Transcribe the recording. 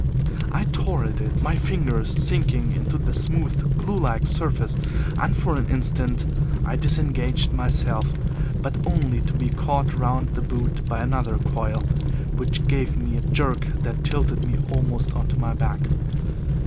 I tore at it, my fingers sinking into the smooth, glue like surface, and for an instant I disengaged myself, but only to be caught round the boot by another coil, which gave me a jerk that tilted me almost on to my back.